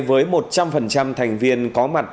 với một trăm linh thành viên có mặt